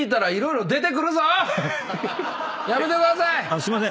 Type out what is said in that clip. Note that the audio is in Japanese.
すいません。